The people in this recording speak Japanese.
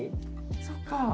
そっか。